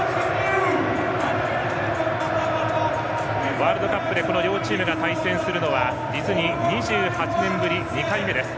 ワールドカップでこの両チームが対戦するのは実に２８年ぶり２回目です。